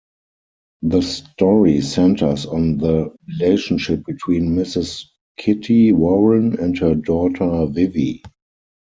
The story centres on the relationship between Mrs Kitty Warren and her daughter, Vivie.